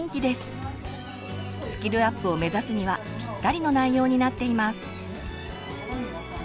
スキルアップを目指すにはぴったりの内容になっています。